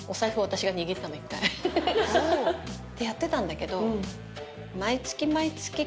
１回ってやってたんだけど。